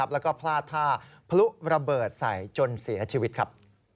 แล้วก็พลาดท่าพลุระเบิดใส่จนเสียชีวิตครับ